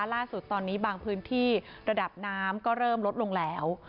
ล่าสุดตอนนี้บางพื้นที่ระดับน้ำก็เริ่มลดลงแล้ว